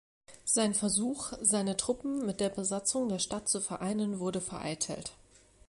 Sein Versuch, seine Truppen mit der Besatzung der Stadt zu vereinen, wurde vereitelt.